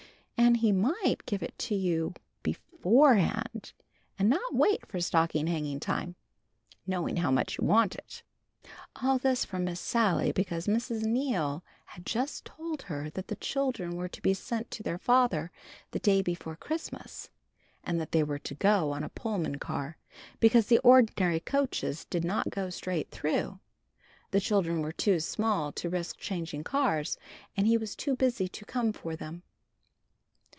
And he might give it to you beforehand, and not wait for stocking hanging time, knowing how much you want it." All this from Miss Sally because Mrs. Neal had just told her that the children were to be sent to their father the day before Christmas, and that they were to go on a Pullman car, because the ordinary coaches did not go straight through. The children were too small to risk changing cars, and he was too busy to come for them.